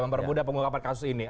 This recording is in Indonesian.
mempermudah pengungkapan kasus ini